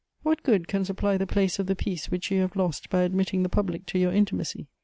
What good can supply the place of the peace which you have lost by admitting the public to your intimacy?